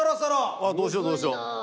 ああどうしよどうしよ。